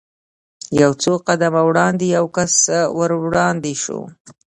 یو څو قدمه وړاندې یو کس ور وړاندې شو.